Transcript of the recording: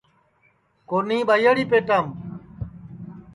کونیھ ٻائیاڑی پیٹام